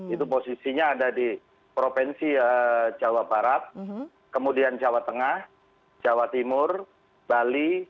itu posisinya ada di provinsi jawa barat kemudian jawa tengah jawa timur bali